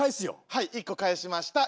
はい１個返しました。